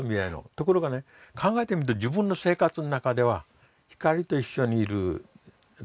ところがね考えてみると自分の生活の中では光と一緒にいるときね